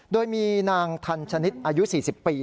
โดยมีนางทันชนิดอายุ๔๐ปี